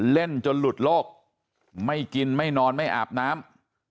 เล่นจนหลุดโลกไม่กินไม่นอนไม่อาบน้ำ